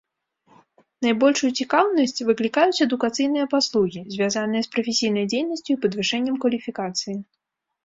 Найбольшую цікаўнасць выклікаюць адукацыйныя паслугі, звязаныя з прафесійнай дзейнасцю і падвышэннем кваліфікацыі.